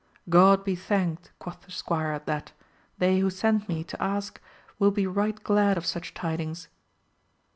God be thanked, quoth the squire at that, they who sent me to ask will be right glad of such tidings